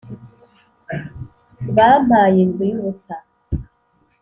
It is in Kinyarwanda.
bampaye inzu yubusa